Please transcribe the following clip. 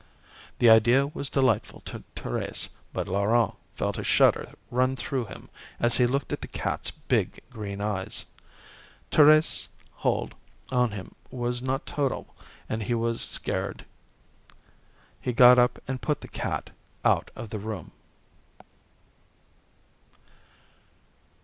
This idea was delightful to Thérèse but Laurent felt a shudder run through him as he looked at the cat's big green eyes. Thérèse's hold on him was not total and he was scared. He got up and put the cat out of the room.